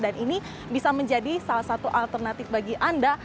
dan ini bisa menjadi salah satu alternatif bagi anda